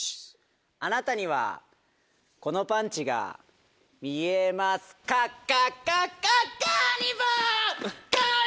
あなたにはこのパンチが見えますかかかかカーニバル！